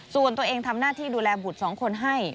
ส่วนตัวเองทำหน้าที่ดูแลบุตรสองคนให้